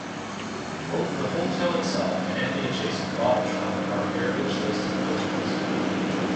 Both the hotel itself and the adjacent bottle shop are heritage listed buildings.